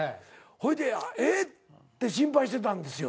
ほいで「えっ？」って心配してたんですよ。